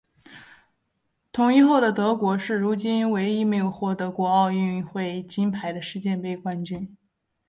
统一后的德国是如今唯一没有获得过奥运会金牌的世界杯冠军。